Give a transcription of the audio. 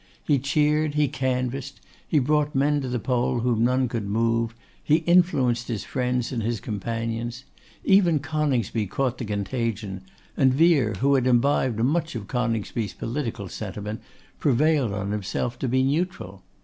He cheered, he canvassed, he brought men to the poll whom none could move; he influenced his friends and his companions. Even Coningsby caught the contagion, and Vere, who had imbibed much of Coningsby's political sentiment, prevailed on himself to be neutral.